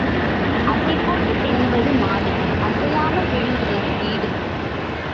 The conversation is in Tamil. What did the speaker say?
அசை போட்டுத் தின்னுவது மாடு அசையாமல் விழுங்குவது வீடு.